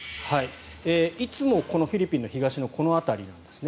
いつもこのフィリピンの東のこの辺りなんですね。